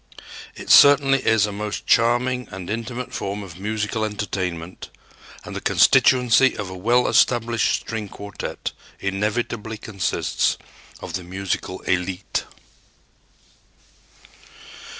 It certainly is a most charming and intimate form of musical entertainment and the constituency of a well established string quartet inevitably consists of the musical élite.